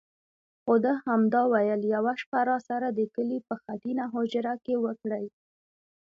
خو ده همدا ویل: یوه شپه راسره د کلي په خټینه هوجره کې وکړئ.